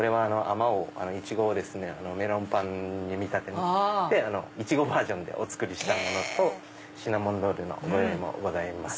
まおうイチゴをメロンパンに見立ててイチゴバージョンでお作りしたものとシナモンロールのご用意もございます。